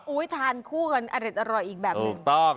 อุ้ยทานคู่กันอร่อยอีกแบบหนึ่งถูกต้อง